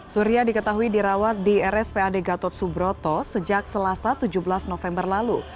surya diketahui dirawat di rspad gatot subroto sejak selasa tujuh belas november lalu